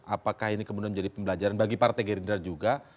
apakah ini kemudian menjadi pembelajaran bagi partai gerindra juga